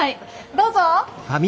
どうぞ！